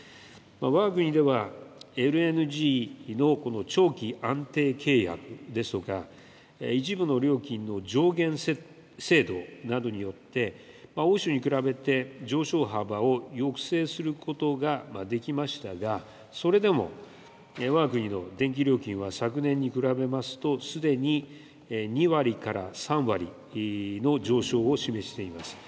わが国では、ＬＮＧの長期安定契約ですとか、一部の料金の上限制度などによって、欧州に比べて上昇幅を抑制することができましたが、それでも、わが国の電気料金は昨年に比べますと、すでに２割から３割の上昇を示しています。